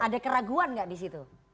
ada keraguan gak disitu